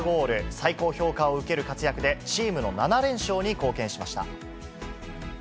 最高評価を受ける活躍で、チームの７連勝に貢献しました。